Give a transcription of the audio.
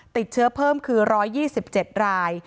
ติดเชื้อเพิ่มคือ๑๒๗ราย